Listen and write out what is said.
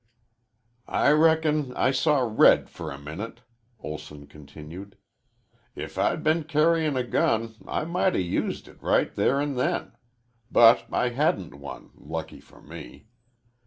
"I reckon I saw red for a minute," Olson continued. "If I'd been carryin' a gun I might 'a' used it right there an' then. But I hadn't one, lucky for me.